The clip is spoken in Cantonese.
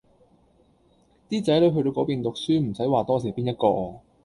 啲仔女去到嗰邊讀書唔使話多謝邊一個